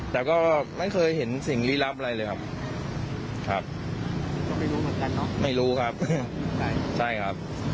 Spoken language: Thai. แต่ก็ไม่เคยเห็นสิ่งลี้ลับอะไรเลยครับครับไม่รู้ครับใช่ครับ